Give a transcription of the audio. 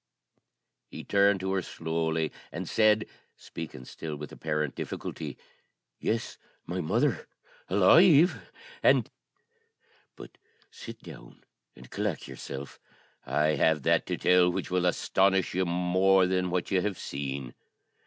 He turned to her slowly, and said, speaking still with apparent difficulty, "Yes, my mother, alive, and but sit down and collect yourself; I have that to tell which will astonish you still more than what you have seen."